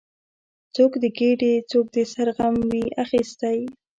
څوک د ګیډې، څوک د سر غم وي اخیستی